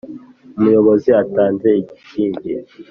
Umuyobozi atanze igikingi